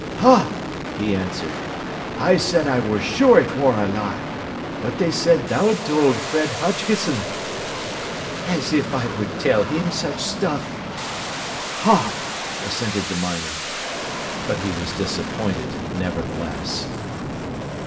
"Ha!" he answered. "I said I wor sure it wor a lie. But they said tha'd told Fred Hodgkisson." "As if I would tell him such stuff!" "Ha!" assented the miner. But he was disappointed nevertheless.